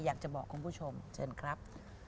อยากจะบอกคุณผู้ชมเชิญครับ